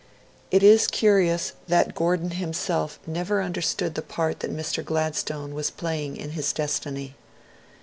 It is curious that Gordon himself never understood the part that Mr. Gladstone was playing in his destiny.